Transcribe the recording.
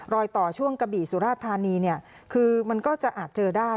รอยต่อช่วงกะบี่สุราชธานีเนี่ยคือมันก็จะอาจเจอได้